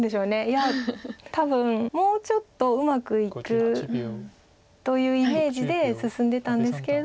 いや多分もうちょっとうまくいくというイメージで進んでたんですけれども。